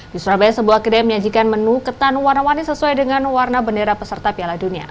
di surabaya sebuah kedai menyajikan menu ketan warna warni sesuai dengan warna bendera peserta piala dunia